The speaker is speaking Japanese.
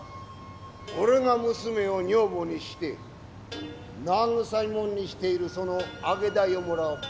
俺が娘を女房にして慰みもんにしているその揚げ代をもらおう。